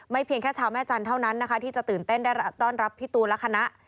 เพียงแค่ชาวแม่จันทร์เท่านั้นนะคะที่จะตื่นเต้นได้ต้อนรับพี่ตูนและคณะ